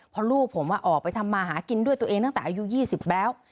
เพราะลูกผมออกไปทำมาหากินด้วยตัวเองตั้งแต่อายุ๒๐แล้ว